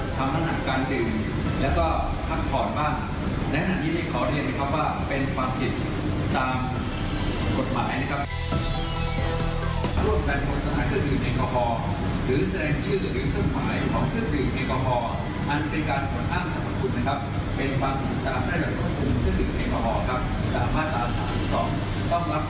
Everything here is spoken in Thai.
เป็นความผิดตามกฎหมายนะครับ